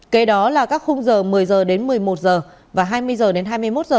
kế đó là các khung giờ một mươi h đến một mươi một h và hai mươi h đến hai mươi một h